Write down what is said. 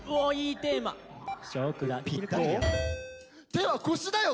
手は腰だよ！